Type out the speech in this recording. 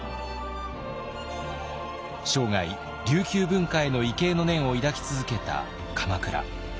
生涯琉球文化への畏敬の念を抱き続けた鎌倉。